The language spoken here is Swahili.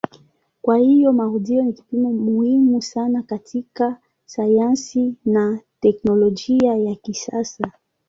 Kwa hiyo marudio ni kipimo muhimu sana katika sayansi na teknolojia ya kisasa.